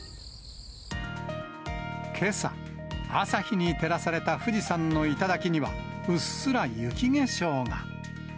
けさ、朝日に照らされた富士山の頂には、うっすら雪化粧が。